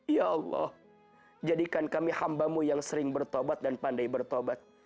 ya allah jadikan kami hambamu yang sering bertobat dan pandai bertobat